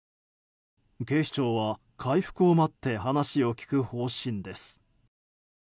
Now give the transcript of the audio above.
警視庁は回復を待って話を聞く方針です。